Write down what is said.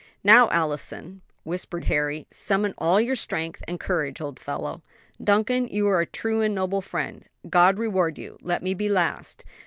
"Now, Allison," whispered Harry, "summon all your strength and courage, old fellow." "Duncan, you are a true and noble friend! God reward you. Let me be last."